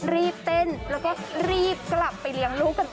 รีบเต้นแล้วก็รีบกลับไปเลี้ยงลูกกันต่อ